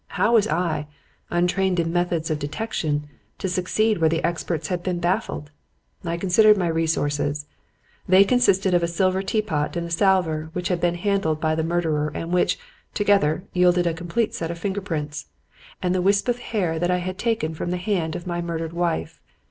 How was I, untrained in methods of detection, to succeed where the experts had been baffled? I considered my resources. They consisted of a silver teapot and a salver which had been handled by the murderer and which, together, yielded a complete set of finger prints, and the wisp of hair that I had taken from the hand of my murdered wife.